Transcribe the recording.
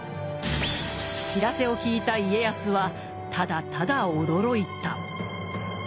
知らせを聞いた家康はただただ驚いた。